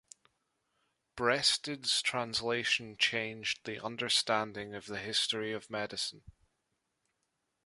Breasted's translation changed the understanding of the history of medicine.